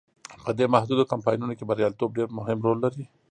په دې محدودو کمپاینونو کې بریالیتوب ډیر مهم رول لري.